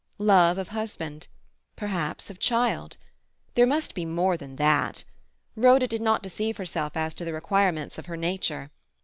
Love of husband—perhaps of child. There must be more than that. Rhoda did not deceive herself as to the requirements of her nature.